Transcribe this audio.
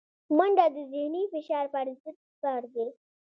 منډه د ذهني فشار پر ضد سپر دی